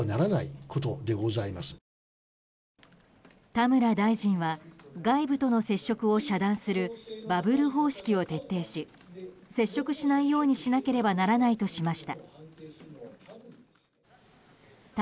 田村大臣は外部との接触を遮断するバブル方式を徹底し接触しないようにしなければならないとしました。